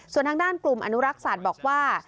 ส่วนทางด้านกลุ่มอนุรักษ์สัตว์บอกว่า